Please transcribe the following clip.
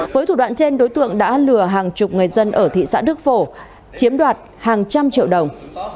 với thủ đoạn trên đối tượng đã lừa hàng chục người dân ở thị xã đức phổ chiếm đoạt hàng trăm triệu đồng